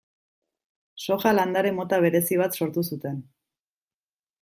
Soja landare mota berezi bat sortu zuten.